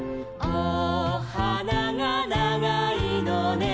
おはながながいのね」